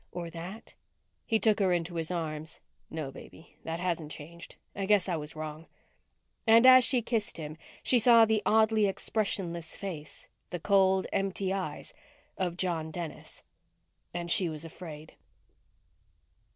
"Or that?" He took her in his arms. "No, baby, that hasn't changed. I guess I was wrong." And as she kissed him, she saw the oddly expressionless face, the cold empty eyes of John Dennis. And she was afraid.